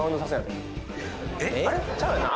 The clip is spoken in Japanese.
ちゃうやんな？